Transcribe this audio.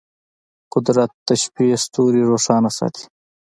قدرت د شپې ستوري روښانه ساتي.